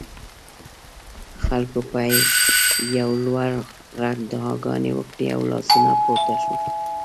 خلکو په یو لوړ غږ دعاګانې وکړې او لاسونه پورته شول.